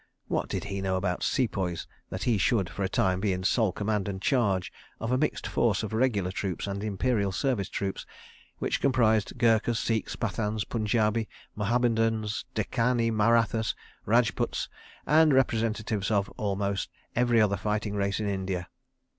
What did he know about Sepoys that he should, for a time, be in sole command and charge of a mixed force of Regular troops and Imperial Service troops which comprised Gurkhas, Sikhs, Pathans, Punjabi Mahommedans, Deccani Marathas, Rajputs, and representatives of almost every other fighting race in India?